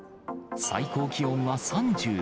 最高気温は３７度。